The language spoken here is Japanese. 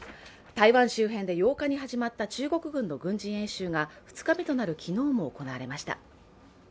台湾周辺で８日に始まった中国軍の軍事演習が２日目となる昨日も行われました。